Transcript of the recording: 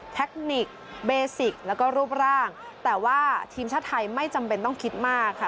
เทคนิคเบสิกแล้วก็รูปร่างแต่ว่าทีมชาติไทยไม่จำเป็นต้องคิดมากค่ะ